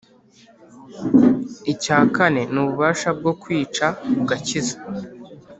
icya kane ni ububasha bwo kwica ugakiza: umwami